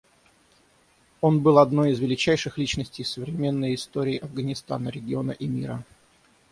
Он был одной из величайших личностей современной истории Афганистана, региона и мира.